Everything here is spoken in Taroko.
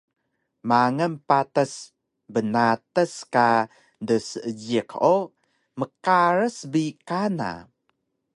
Mangal patas bnatas ka dseejiq o mqaras bi kana